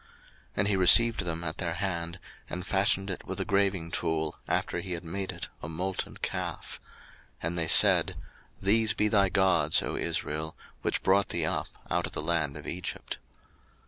02:032:004 And he received them at their hand, and fashioned it with a graving tool, after he had made it a molten calf: and they said, These be thy gods, O Israel, which brought thee up out of the land of Egypt.